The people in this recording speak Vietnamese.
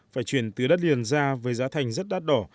phải chuyển từ đất liền ra với giá thành rất đắt đỏ